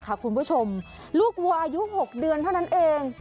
คุณผู้ชมลูกวัวอายุ๖เดือนเท่านั้นเอง